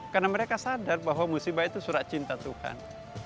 karena mereka sadar bahwa musibah itu surat cinta tuhan